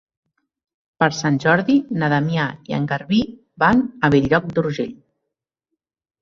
Per Sant Jordi na Damià i en Garbí van a Bell-lloc d'Urgell.